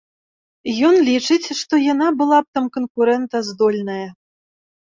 Ён лічыць, што яна была б там канкурэнтаздольная.